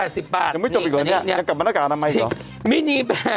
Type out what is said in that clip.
ยังไม่จบอีกหรอเนี่ยยังกลับมาหน้ากากอนามัยอีกหรอ